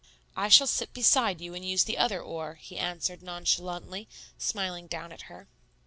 "I shall sit beside you and use the other oar," he answered nonchalantly, smiling down at her.